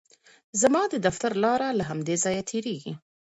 زما د دفتر لاره له همدې ځایه تېریږي.